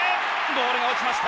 ボールが落ちました。